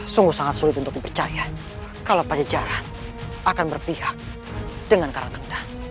sungguh sangat sulit untuk dipercaya kalau pajajaran akan berpihak dengan karang rendah